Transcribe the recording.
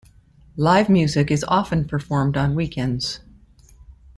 Live music is often performed on weekends.